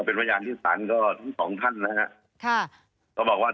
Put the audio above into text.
พอเป็นรายงานที่สรรค์แล้วทั้ง๒ท่านนะฮะค่าก็บอกว่า